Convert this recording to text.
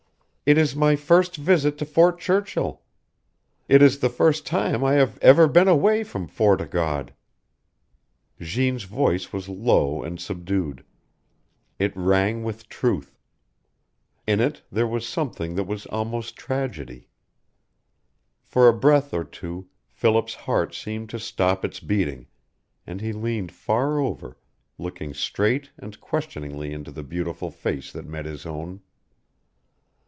It is my first visit to Fort Churchill. It is the first time I have ever been away from Fort o' God." Jeanne's voice was low and subdued. It rang with truth. In it there was something that was almost tragedy. For a breath or two Philip's heart seemed to stop its beating, and he leaned far over, looking straight and questioningly into the beautiful face that met his own.